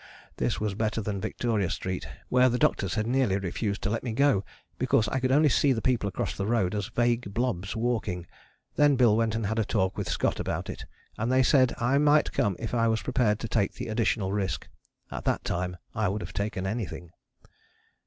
this was better than Victoria Street, where the doctors had nearly refused to let me go because I could only see the people across the road as vague blobs walking. Then Bill went and had a talk with Scott about it, and they said I might come if I was prepared to take the additional risk. At that time I would have taken anything.